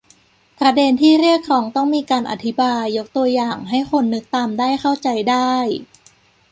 ประเด็นที่เรียกร้องต้องมีการอธิบายยกตัวอย่างให้คนนึกตามได้เข้าใจได้